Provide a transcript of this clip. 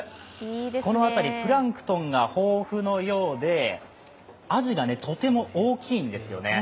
この辺り、プランクトンが豊富のようでアジがとても大きいんですよね。